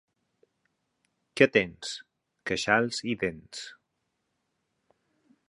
Què tens? —Queixals i dents!